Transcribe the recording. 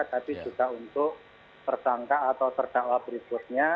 tapi juga untuk tersangka atau terdakwa berikutnya